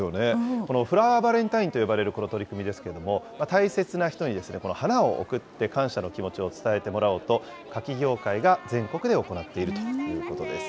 このフラワーバレンタインと呼ばれるこの取り組みですけれども、大切な人に花を贈って感謝の気持ちを伝えてもらおうと、花き業界が全国で行っているということです。